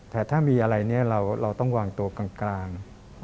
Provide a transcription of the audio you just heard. แต่ถ้ามีอะไรเนี่ยเราต้องวางตัวกลาง